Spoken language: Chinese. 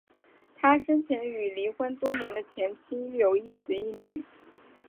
他生前与离婚多年的前妻育有一子一女。